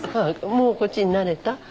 もうこっちに慣れた？